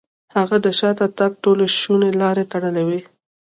هغه د شاته تګ ټولې شونې لارې تړلې وې.